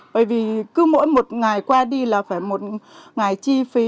bởi vì cứ mỗi một ngày qua đi là phải một ngày chi phí